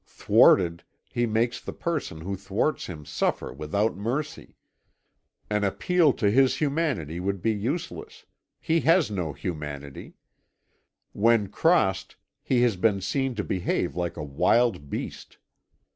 Thwarted, he makes the person who thwarts him suffer without mercy. An appeal to his humanity would be useless he has no humanity; when crossed, he has been seen to behave like a wild beast.